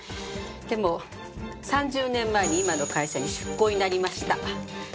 でも３０年前に今の会社に出向になりました。